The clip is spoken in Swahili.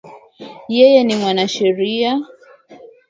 Yeye ni mwanasheria